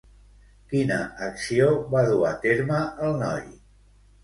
Quina acció va dur a terme el noi?